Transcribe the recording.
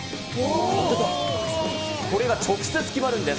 これが直接決まるんです。